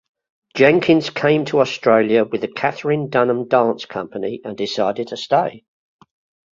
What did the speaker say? Jenkins came to Australia with the Katherine Dunham Dance Company and decided to stay.